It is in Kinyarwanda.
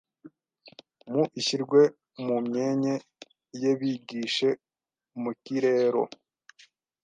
mu ishyirwe mu myenye y’ebigishe mu kirero